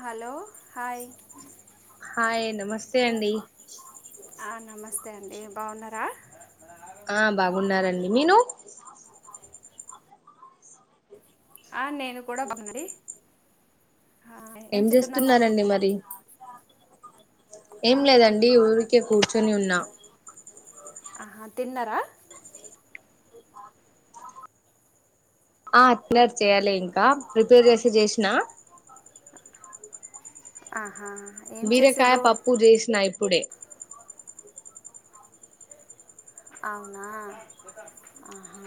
Hello! Hi hi నమస్తే అండి. నమస్తే అండి బాగున్నారా? ఆ బాగున్నారండి మీరూ ఆ నేను కూడా బాగున్నానండీ. ఏం చేస్తున్నారండి మరి? ఆ, ఏం లేదండి ఊరికే కూర్చొని ఉన్నా. ఆహా! తిన్నరా? ఆ అట్ల చెయ్యాలి ఇంకా ప్రిపేర్ అయితే చేసినా ఆహా! ఏం బీరకాయ చేసిండ్రు పప్పు చేసినా ఇప్పుడే. అవునా ఆహా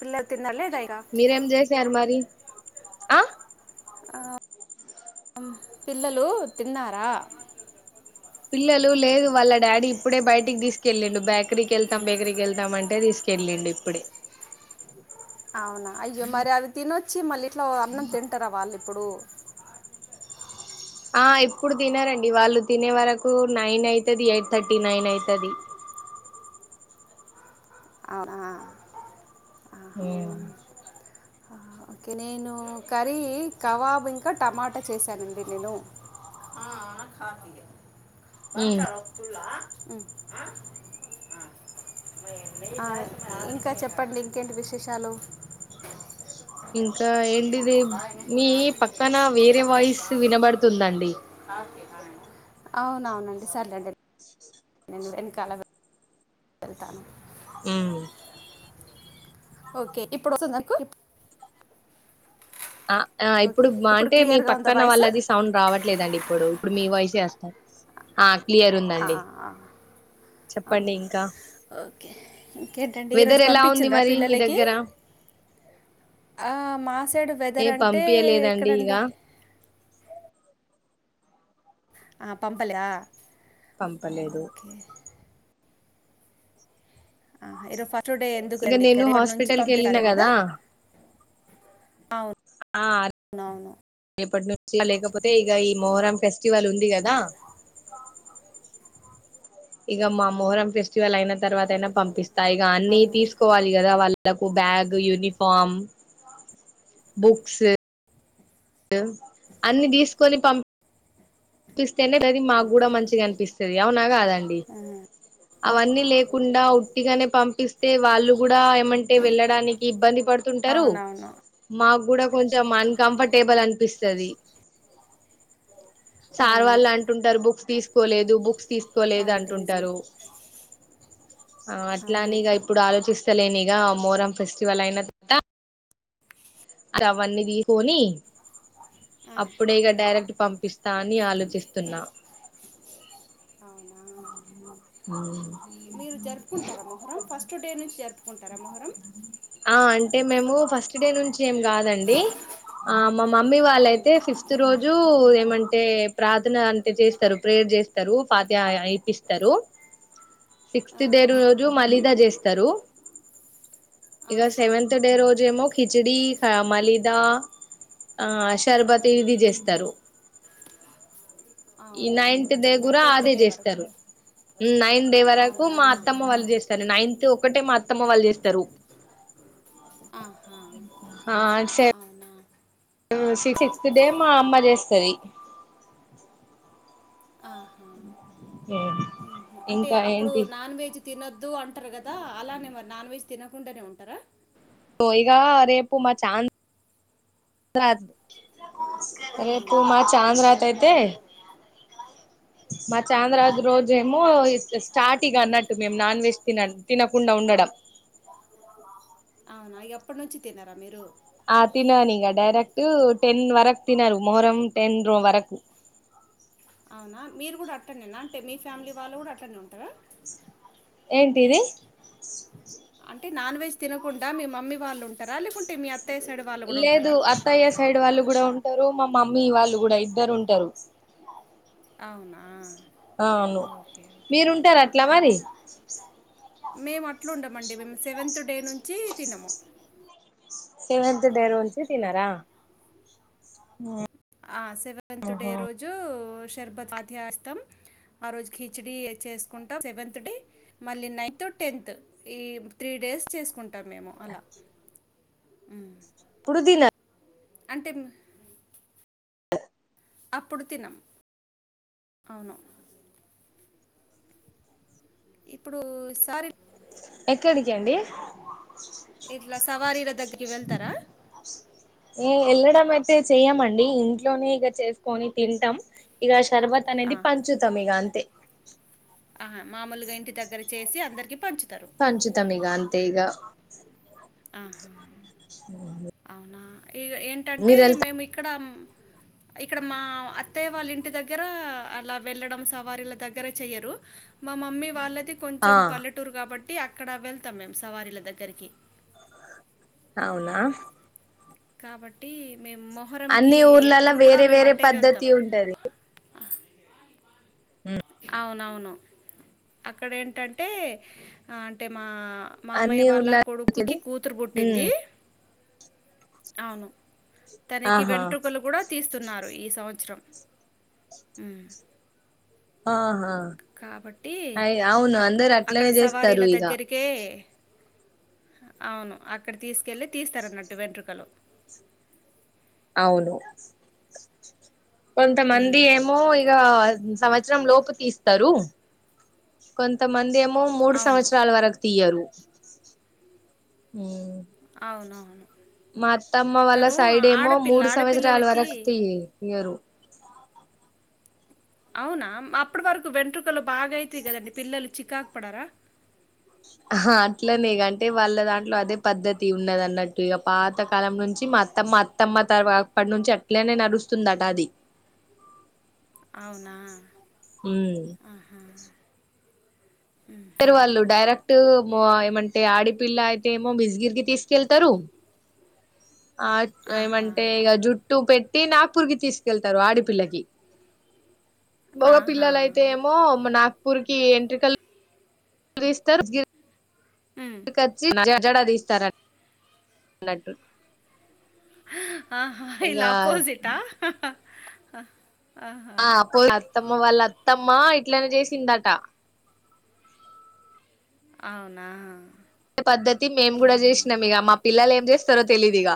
పిల్లలు తిన్నారా లేదా ఇక మీరేం చేసారు మరి ఆ పిల్లలు తిన్నారా? పిల్లలు లేదు వాళ్ళ డాడీ ఇప్పుడే బయటికి తీసుకెళ్ళిండు బేకరీకి వెళ్తాం బేకరీకి వెళ్తాం అంటే తీసుకె ళ్ళిండు ఇప్పుడే అవునా అవునా అయ్యో మరి అది తినొచ్చి మళ్ళీ ఇట్లా అన్నం తింటారా వాళ్ళు ఇప్పుడు. ఆ ఇప్పుడు తినరండి వాళ్ళు తినే వరకు నైన్ అవుతాది ఎయిట్ థర్టీ నైన్ అయితాది. [inaudible] అవునా మ్ ఆహా. ఆ, నేను కర్రీ కవాబ్ ఇంకా టమాటా చేశానండి నేను ఆ కాాపి ఉమ్ బకా రక్తుూలా [unintelligible] ఉ హ ఇంకా చెప్పండి ఇంకేంటి విశేషాలు. ఇంకా ఏంటి ఇది మీ పక్కన వేరే వాయిస్ వినబడుతుందండి. అవునవునండి సర్లేండి నేను వెనకాల వెళ్తా వెళ్తాను ఓకే ఇప్పుడువస్తుదా నీకు ఆ ఇప్పుడు అంటే మీ క్లియర్గా ఉందా పక్కన వాయిస్ వాళ్ళది సౌండ్ రావట్లేదండి ఇప్పుడు ఇప్పుడు మీ వైస్ ఏ వస్తానంది ఆ క్లియర్ ఆ ఉందండి ఆ చెప్పండి అవునా ఇంకా ఓకే ఇంకేంటండి ఈరోజు వెదర్ ఎలా ఉంది పంపించండరా మరి మీ పిల్లలకి దగ్గర ఆ మా సైడ్ ఏ వెదర్ అంటే పంపియలేదండి ఇగ ఎక్కడండి ఆ పంపలే పంపలేదు ఆ ఇరో ఫస్ట్డే ఇక ఎందుకులెండి ఇంకా నేను రేపటి నుంచి హాస్పిటల్ కి వెళ్ళిన పంపుతరేమోకదా కదా అవును ఆ రేపటి నుంచి లేకపోతే ఇక ఈ మొహ్రాం ఫెస్టివల్ ఉంది కదా ఇక మా మొహరం ఫెస్టివల్ అయిన తర్వాత అయినా పంపిస్తాయి ఇక అన్ని అవును తీసుకోవాలి కదా వాళ్ళు ళ్లకు బ్యాగ్ యూనిఫార్మ్ బుక్స్ అన్ని తీసుకొని పంపి పపిస్తేనే అది మాకు కూడా మంచిగా అనిపిస్తుంది అవునా కాదండి ఉమ్, అవన్నీ లేకుండా ఉట్టిగానే పంపిస్తే వాళ్ళు కూడా ఏమంటే వెళ్ళడానికి ఇబ్బంది పడుతుంటారు అవునవును మా కూడా కొంచెం అన్కంఫర్టబుల్ అనిపిస్తాది సార్ అవును వాళ్ళు అంటుంటారు బుక్స్ తీసుకోలేదు బుక్స్ తీసుకోలేదు అవునండి నిజమే అంటుంటారు అవును అట్లానే ఇప్పుడు ఆలోచిస్త లేనిగా మొహరం ఫెస్టివల్ అయినాతా అవన్నీ తీకొని ఆ, అప్పుడే ఇక డైరెక్ట్ పంపిస్తా అని ఆలోచిస్తున్నా అవునా మీరు జరుపుకుంటారా మొహరం ఫస్ట్ డే నుంచి జరుపుకుంటారా మొహరం ఆ అంటే మేము ఫస్ట్ డే నుంచి ఏం కాదండి ఆ మా మమ్మీ మ్మ్. వాళ్ళయితే ఫిఫ్త్ రోజు ఏమంటే ప్రార్థన అంటే చేసి స్తారు ప్రేయర్ చేస్తారు పాత్యయ ఇయిపిస్తారు సిక్స్త్ ఆ. డేడ్ రోజు మలీదా చేస్తారు ఇక ఆహా. సెవెంత్ డే రోజేమో కిచిడి మలీదా ఆ షర్బత్ ఉమ్. ఇది చేస్తారు ఈ అవునవును నైన్త్ డే నా కూడా టెన్త్ అదే డే వరకు చేస్తారు నైన్త్ వరకు అవునా మా అత్తమ్మ వాళ్ళు చేస్తారు నైన్త్ ఒకటే మా అత్తమ్మ వాళ్ళు చేస్తారు ఆహా ఆ సె అవునా సిక్స్త్ డే మా అమ్మ చేస్తది ఆహా అంటే ఇంకా అప్పుడు ఏంటి నాన్ వెజ్ తినొద్దు అంటారు కదా అలానే మ నాన్ వెజ్ తినకుండానే ఉంటారా సో ఇగా రేపు మా చాంద్ర రేపు అవును మా చాంద్రాకి అయితే మా చాంద్రాజ ఉమ్. రోజేమో స్ట స్టార్టింగ్ అన్నట్టు మేము నాన్ వెజ్ తిన తినకుండా ఉండడం అవునా ఇగ అప్పటి నుంచి తినారా మీరు. ఆ తినాలి ఇగా, డైరెక్ట్ టెన్ వరక్ తినారు మొహరం టెన్ రో వరకు. [inaudible] అవునా, మీరు గుడా అట్లనేనా, అంటే మీ ఫ్యామిలీ వాళ్ళు గుడా అట్లానే ఉంటారా. ఏంటిది. అంటే నాన్ వెజ్ తినకుండా మీ మమ్మీ వాళ్ళు ఉంటారా, లేకుంటే మీ అత్ లేదు అత్తయ్య సైడ్ వాళ్ళు గుడా ఉన్ టారు, మా మమ్మీ వాళ్ళు గుడా ఇద్దరు ఉంటారు. అవునా. అవును, ఓకే ఓకే మీరుంటారా అట్లా మరి. మేము అట్లుండమండి, మేము సెవెంత్ డే నుంచి తినం. సెవెంత్ డే నుంచి తినారా. ఆ సెవెంత్ డే రోజు షర్బత్ అధ్యస్థం. ఆ రోజు కిచిడీ ఏ చేసుకుంటాం సెవెంత్ డే. మళ్ళీ నైన్త్, టెన్త్ ఈ త్రీ డేస్ చేసుకుంటాం మేము అలా. ఉమ్ పుదీన. అంతే మా అప్పుడు తినం, అవును. ఇప్పుడు సారి ఎక్కడికి అండి. ఇట్లా సవారీల దగ్గరికి వెళ్తారా. అంటే చేయమండి ఇంట్లోనే ఇగా చేసుకొని తింటాం. ఇగా ష్ తర్వాత ఆ, అనేది పంచుతం ఇగా అంతే. ఆ మామూలుగా ఇంటి దగ్గర చేసి అందరికి పంచు, పంచుతం ఇగా అంతే ఇగా. ఆహా ఉమ్ ఇగా ఏంటంటే మేము ఇక్కడం ఇక్కడ మా అత్తయ్య వాళ్ళ ఇంటి దగ్గర, అలా వెళ్ళడం సవారీల దగ్గర చెయ్యరు. మా మా మమ్మీ వాళ్ళది ఆ కొంచెం పల్లెటూరు కాబట్టి, అక్కడ వెళ్తాం మేము సవారీల దగ్గరికి. అవునా. కాబట్టి మేము మొహరంకి అన్ని ఊర్లలో ఎప్పుడు కూడా వేరే మేము వేరే అటే వెళ్తాం. పద్ధతి ఉంటది అవునవును, అక్కడ ఏంటంటే అంటే మా ఆ మామయ్య అన్ని వాళ్ళ ఊర్ల కొడుకుకి కూతురు ఉమ్ పుట్టింది, అవును. తనకి ఆహా వెంట్రుకలు గుడా తీస్తున్నారు ఈ సంవత్సరం. ఉమ్ ఆహా కాబట్టి, అయి అవును అందరు అక్కడ అట్లనే చేస్తారు సవారీల ఇక దగ్గరికే అవును, అక్కడ తీసుకెళ్ళి తీస్తారన్నట్టు వెంట్రుకలు. అవును. కొంతమంది ఉమ్, ఏమో ఇగా, సంవత్సరం లోపు తీస్ స్తారు. కొంతమంది ఏమో మూడు అవును సంవత్సరాల వరకు తీయరు. ఉమ్ అవునవును మా అత్తమ్మ వాళ్ళ సైడ్ ఏమో ఆడపిల్ల మూడు సంవత్సరాల ఆడపిల్లలకి వరకు తీయ్ తియరు అవునా అప్పటి వరకు వెంట్రుకలు బాగాయితాయి కదండి పిల్లలు చికాకు పడరా అట్లనే అంటే వాళ్ళ దాంట్లో అదే పద్దతి ఉన్నది అన్నట్టు ఇక పాతకాలం నుంచి అత్తమ్మ అత్తమ్మ తర్వా అప్పటి నుంచి అట్లేనే నడుస్తుందట అది అవునా మ్ ఆహా టరు వాళ్ళు డైరెక్ట్ మో ఏమంటే ఆడిపిల్ల అయితే ఏమో బిజగిరికి తీసుకెళ్తారు. ఆ ఆహా ఏమంటే ఇగ జుట్టు పెట్ తే నాగ్పూర్ కి తీసుకెళ్తారు ఆడపిల్లకి మోగ ఆహా పిల్లల అయితే ఏమో నాక్ పూరికి ఎంట్రీకాలు తీస్తారు. గిర్ ఉమ్. ఈడు కొచ్చి [inaudible] జడా తీస్తార అన్నట్టు ఆహా! ఈల్ ఇగ అపోజీటా ఆ అత్తమ్మ వాళ్ళ అత్తమ్మ ఇట్లనే చేసిందట అవునా పద్ద్తి మేం ఆ. కూడా చేసినాం ఇక మా పిల్లలు ఏం చేస్తారో తెలిదు ఇగ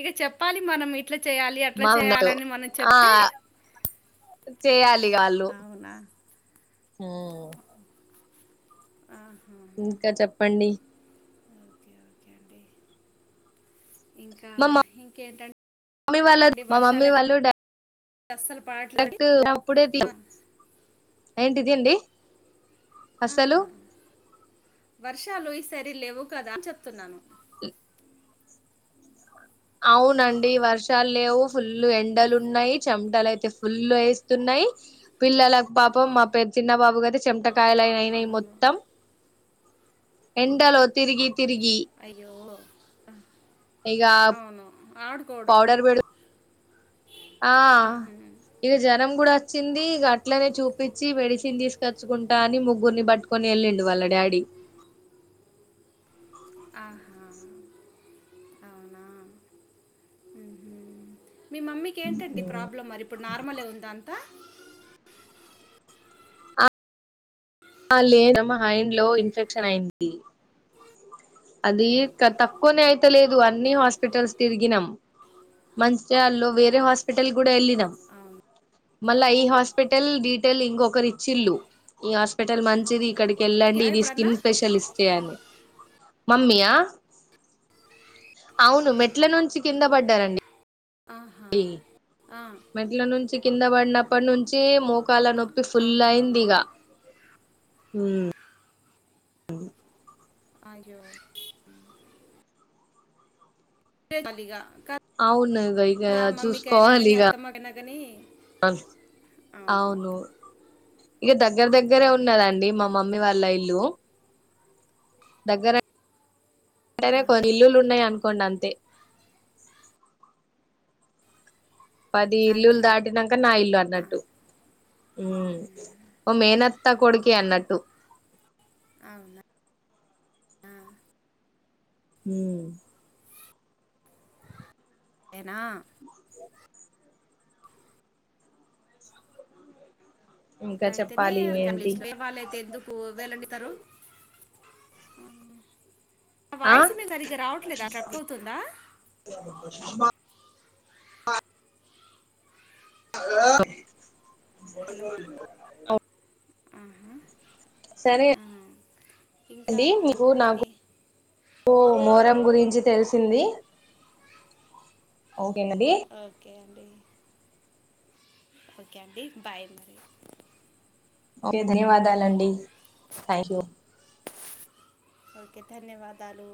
ఇగా చెప్పాలి మనం ఇప్ ట్లా చేయాల అట్లా మా ఉన్నట్టు చేయని మనం ఆ చెప్పితే చేయాలి ఇగ ఆళ్ళు ఆ ఇంకా చెప్పండి. ఓకే ఓకే అండి ఇంకా మా మమ్మీ వాళ్ళ ఇంకేంటంటే వర్షాలైతే అస్సలు పడట్లేదండి కరెక్ట్ అప్పుడే ఆ, [inaudible] ఏంటిది అండి అసలు ఆహా వర్షాలు ఈ సారి లేవ్వు కదా అని చెప్తున్నాను. ఉ అవునండి వర్షాలు లేవు ఫుల్ ఎండలు ఉన్నాయి చెమటలు అయితే ఫుల్ వేస్తున్నా యి పిల్లల పాపం మా పేరు చిన్న బాబు గదా చెమట కాయలనైనా అవును మొత్తం ఎండలో తిరిగి తిరిగి అయ్యో ఇక అవును ఆడుకోవడం పౌడర్ పెడు ఆ మ్హూ. ఇగా జరం కూడా వచ్చింది గట్లనే చూపించి మెడిసిన్ తీసుకొచ్చుకుంటా అని ముగ్గురిని బట్టుకొని వెళ్ళిండు వాళ్ళ డాడీ ఆహా! అవునా ఉహుం మీ మమ్మీకి ఏంటండి ప్రాబ్లం మరి ఇప్పుడు నార్మలే ఉందా అంతా అలే తమ హైండ్ లో ఇన్ఫెక్షన్ అయింది. అది తక్కువనే అయితలేదు అన్ని హాస్పిటల్స్ తిరిగినాం. మంచిర్యాలలో వేరే హాస్పిటల్ కూడా వెళ్ళినాం. అవును మళ్ళా ఈ హాస్పిటల్ డీటెల్ ఇంకొకరిచ్చిళ్ళు ఈ హాస్పిటల్ మంచిది ఇక్కడికి వెళ్ళండి ఎక్కారా ఇది ఎప్పుడన్నా స్కిన్ స్పెషలిస్టే అని మమ్మియా అవును మెట్ల నుంచి కింద పడ్డారండి ఆహా ఆ, మెట్ల నుంచి కింద పడినప్పటి నుంచి మోకాల నొ ఫుల్ ఆహా అయింది ఇగ ఉమ్ ఉమ్ అయ్యో ప్పలిగా అవును ఇగ ఇగ చూసుకోవలి కానీ ఇగ అత్తమ్మకైనా కానీ అవును ఇగ దగ్గర దగ్గరే ఉన్నదండి మ మమ్మీ వాళ్ళ ఇల్లు దగ్గరే రే కొన్ని ఇల్లులు ఉన్నాయన్ కొండంతె పది ఇల్లులు అంతేనా దాటినంక నా ఇల్లు అన్నట్టు ఓ మేనత్ త్త కొడుకే అన్నట్టు అవునా అ మ్ అనా ఇంకా అట్లా అయితేనే చెప్పాలి ఏంటి వేరే వాళ్ళయితే ఎందుకు విళ్ళని తరు న ఆ వాయిసు మీ సరిగ్గా రావట్లేదా స్ట్రక్ అవుతుందా హలో ఆహా సరే ఇంకా అండి మీకు నాకు ఏ కు మోరం గురించి తెలిసింది ఓ కే మరి డి ఓకే అండి బాయ్ ఓకే ధన్యవాదాలు అండి థ్యాంక్ యూ ఓకే ధన్యవాదాలు